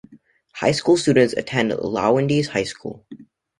High school students attend Lowndes High School.